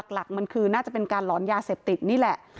หลักมันคือน่าจะเป็นการหลอนยาเสพติดนี่แหละ